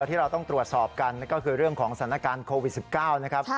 ที่เราต้องตรวจสอบกันก็คือเรื่องของสถานการณ์โควิด๑๙นะครับ